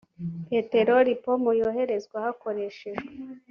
peteroli ipompo yoherezwa hakoreshejwe